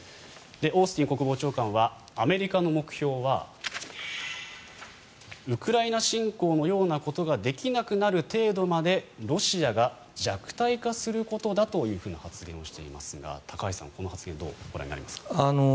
オースティン国防長官はアメリカの目標はウクライナ侵攻のようなことができなくなる程度までロシアが弱体化することだというふうな発言をしていますが高橋さん、この発言をどうご覧になりますか？